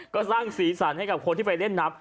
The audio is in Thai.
ก็สร้างศรีสรรค์ให้คนที่ไปเล่นน้ำ